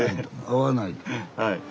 合わないと。